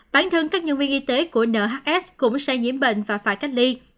bản thân các nhân viên y tế của nhs cũng sẽ nhiễm bệnh và phải cách ly